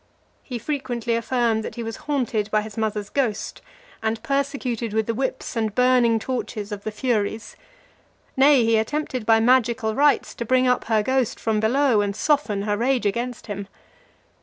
He frequently affirmed that he was haunted by his mother's ghost, and persecuted with the whips (364) and burning torches of the Furies. Nay, he attempted by magical rites to bring up her ghost from below, and soften her rage against him.